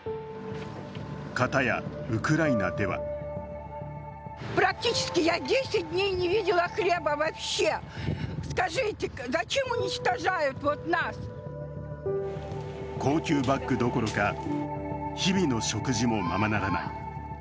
片やウクライナでは高級バッグどころか、日々の食事もままならない。